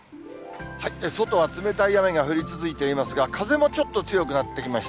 外は冷たい雨が降り続いていますが、風もちょっと強くなってきました。